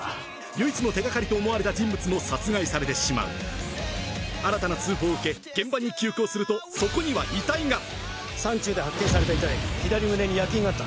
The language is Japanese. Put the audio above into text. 唯一の手掛かりと思われた人物も殺害されてしまう新たな通報を受け現場に急行するとそこには遺体が山中で発見された遺体左胸に焼き印があった。